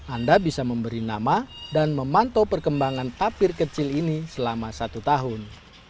anda bisa memberi nama dan memantau perkembangan tapir kecil ini selama satu tahun